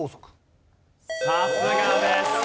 さすがです。